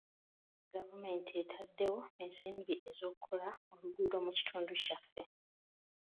Gavumenti etaddewo ensimbi ez'okukola oluguudo mu kitundu kyaffe.